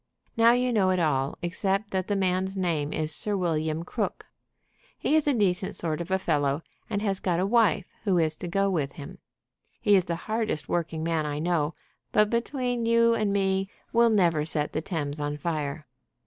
"Now you know it all except that the man's name is Sir William Crook. He is a decent sort of a fellow, and has got a wife who is to go with him. He is the hardest working man I know, but, between you and me, will never set the Thames on fire.